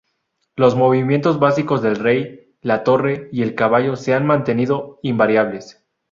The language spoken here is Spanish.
Los movimientos básicos del rey, la torre, y el caballo se han mantenido invariables.